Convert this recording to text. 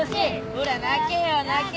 ほら泣けよ泣けよ